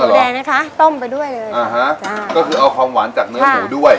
แดงนะคะต้มไปด้วยเลยอ่าฮะใช่ก็คือเอาความหวานจากเนื้อหมูด้วย